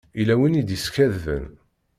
Yella win i d-yeskadben.